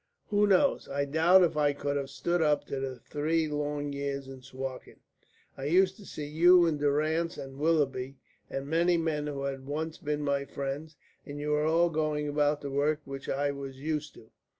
Who knows? I doubt if I could have stood up to the three long years in Suakin. I used to see you and Durrance and Willoughby and many men who had once been my friends, and you were all going about the work which I was used to.